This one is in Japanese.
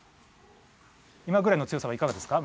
今ぐらいの強さはいかがですか？